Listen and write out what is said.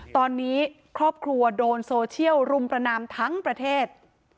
ตอนนี้ครอบครัวโดนโซเชียลรุมประนามทั้งประเทศ